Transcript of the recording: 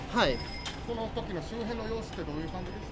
そのときの周辺の様子って、どういう感じでした？